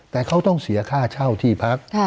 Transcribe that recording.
แต่เขาต้องเสียค่าเช่าที่พัก